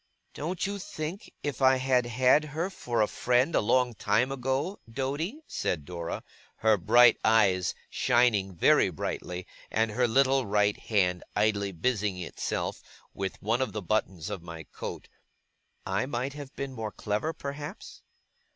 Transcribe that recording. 'Don't you think, if I had had her for a friend a long time ago, Doady,' said Dora, her bright eyes shining very brightly, and her little right hand idly busying itself with one of the buttons of my coat, 'I might have been more clever perhaps?